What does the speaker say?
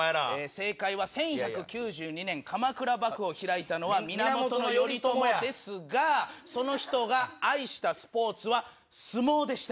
正解は１１９２年鎌倉幕府を開いたのは源頼朝ですが、その人が愛したスポーツは相撲でした。